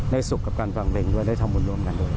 ได้สุขกับการฟังเวลงด้วยได้ทำบริมทรีย์ร่วมกันด้วย